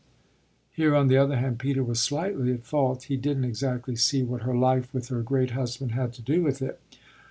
Here on the other hand Peter was slightly at fault he didn't exactly see what her life with her great husband had to do with it.